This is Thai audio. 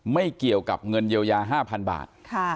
ไม่เกี่ยวกับเงินเยียวยา๕๐๐๐บาท